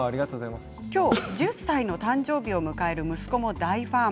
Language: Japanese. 今日１０歳の誕生日を迎える息子も大ファン。